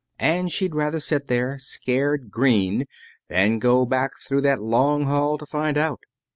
And she'd rather sit there, scared green, than go back through that long hall to find out.